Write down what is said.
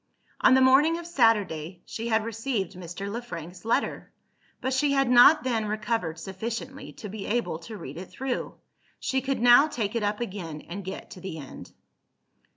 On the morning of Saturday, she had received Mr. Le Frank's letter; but she had not then recovered sufficiently to be able to read it through. She could now take it up again, and get to the end.